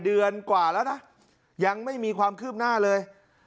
เดือนกว่าแล้วนะยังไม่มีความคืบหน้าเลย